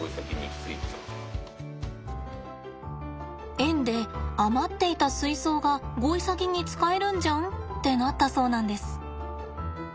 「園で余っていた水槽がゴイサギに使えるんじゃん？」ってなったそうなんです。